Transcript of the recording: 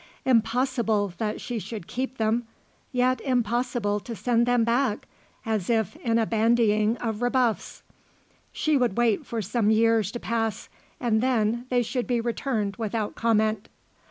Impossible that she should keep them yet impossible to send them back as if in a bandying of rebuffs. She would wait for some years to pass and then they should be returned without comment.